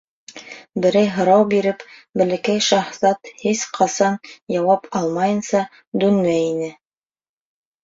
Берәй һорау биреп, Бәләкәй шаһзат һис ҡасан, яуап алмайынса, дүнмәй ине.